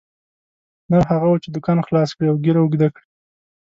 نر هغه وو چې دوکان خلاص کړي او ږیره اوږده کړي.